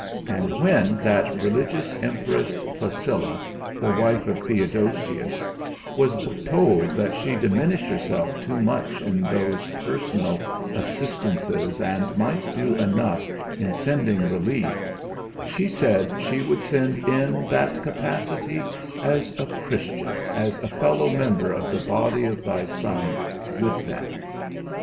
And when that religious Empress Placilla, the wife of Theodosius, was told that she diminished herself too much in those personal assistances and might do enough in sending relief, she said she would send in that capacity as a Christian, as a fellow member of the body of thy Son, with them.